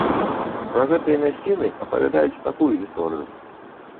Пра гэтыя мясціны апавядаюць такую гісторыю.